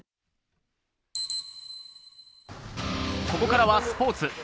ここからはスポーツ。